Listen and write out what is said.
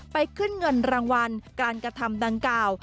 ขึ้นเงินรางวัลการกระทำดังกล่าว